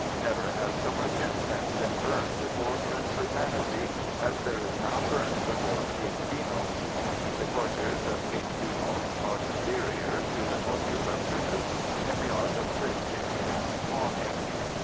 Never has so much incense been burned before princely vanity as there is now burnt before King Demos. The courtiers of King Demos are superior to the courtiers of princes in the art of cringing and fawning."